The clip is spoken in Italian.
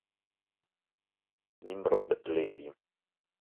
Nimrod Levi